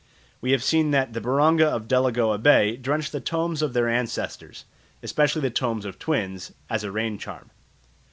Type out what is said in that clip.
We have seen that the Baronga of Delagoa Bay drench the tombs of their ancestors, especially the tombs of twins, as a raincharm.